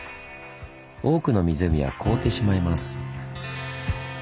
多くの湖は凍ってしまいます。